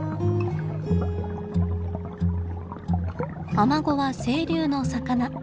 アマゴは清流の魚。